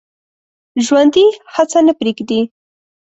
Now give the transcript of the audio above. ژوندي هڅه نه پرېږدي